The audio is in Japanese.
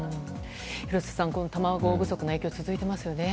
廣瀬さん、卵不足の影響が続いていますよね。